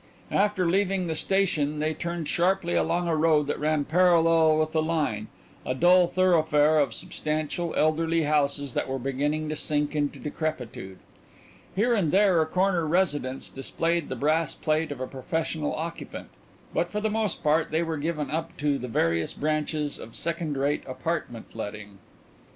After leaving the station they turned sharply along a road that ran parallel with the line, a dull thoroughfare of substantial, elderly houses that were beginning to sink into decrepitude. Here and there a corner residence displayed the brass plate of a professional occupant, but for the most part they were given up to the various branches of second rate apartment letting.